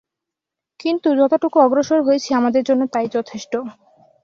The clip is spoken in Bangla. কিন্তু যতটুকু অগ্রসর হয়েছি আমাদের জন্য তাই যথেষ্ট।